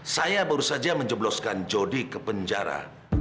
saya baru saja menjebloskan jody ke penjara